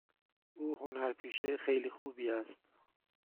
او هنرپیشه خیلی خوبی است.